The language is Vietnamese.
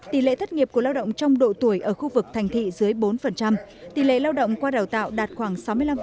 tỷ lệ thất nghiệp của lao động trong độ tuổi ở khu vực thành thị dưới bốn tỷ lệ lao động qua đào tạo đạt khoảng sáu mươi năm